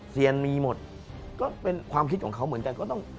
เซียนมีหมดก็เป็นความคิดของเขาเหมือนกันก็ต้อง